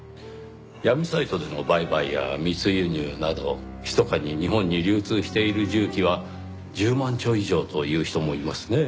闇サイトでの売買や密輸入などひそかに日本に流通している銃器は１０万丁以上と言う人もいますねぇ。